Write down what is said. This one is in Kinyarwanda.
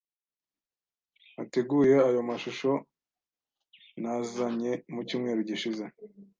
Wateguye ayo mashusho nazanye mu cyumweru gishize?